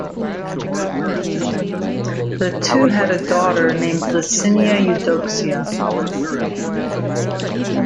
The two had a daughter named Licinia Eudoxia.